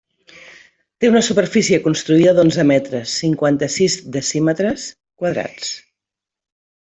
Té una superfície construïda d'onze metres, cinquanta-sis decímetres quadrats.